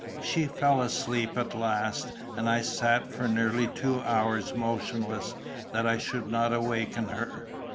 She fell asleep at last, and I sat for nearly two hours motionless, that I should not awaken her.